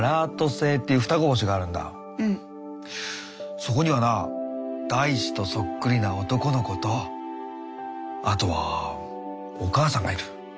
そこにはな大志とそっくりな男の子とあとはお母さんがいる。